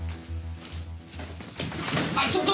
あっちょっと！